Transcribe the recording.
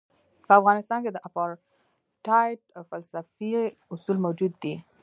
په افغانستان کې د اپارټایډ فلسفي اصول موجود دي.